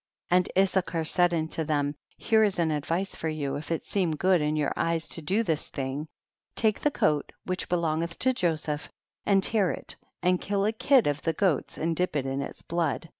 10. And Issachar said unto them, here is an advice for you if it seem good in your eyes to do this thing, take the coat which helongeth to Jo seph and tear it, and kill a kid of the goats and dip it in its blood.